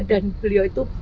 dan beliau itu